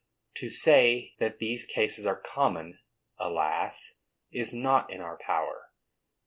To say that these cases are common, alas! is not in our power.